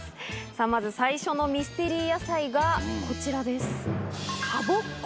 まず最初のミステリー野菜がこちらです。